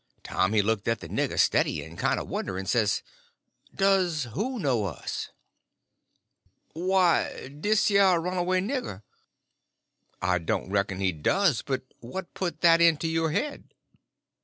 Tom he looked at the nigger, steady and kind of wondering, and says: "Does who know us?" "Why, dis yer runaway nigger." "I don't reckon he does; but what put that into your head?"